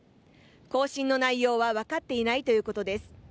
交信の内容はわかっていないということです。